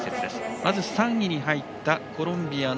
まず３位に入ったコロンビアの